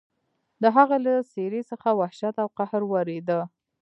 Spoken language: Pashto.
د هغه له څېرې څخه وحشت او قهر ورېده.